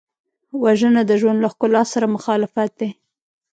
وژنه د ژوند له ښکلا سره مخالفت دی